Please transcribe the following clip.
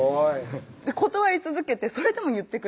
断り続けてそれでも言ってくれる人